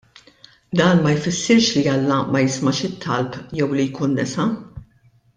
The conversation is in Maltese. Dan ma jfissirx li Alla ma jismax it-talb jew li jkun nesa.